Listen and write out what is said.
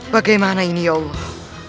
bagaimana ini ya allah